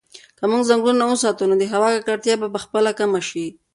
که موږ ځنګلونه وساتو نو د هوا ککړتیا به په خپله کمه شي.